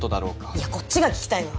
いやこっちが聞きたいわ。